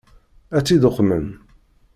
Ad tt-id-uqmen?